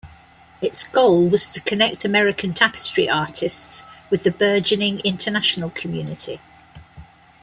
Its goal was to connect American tapestry artists with the burgeoning international community.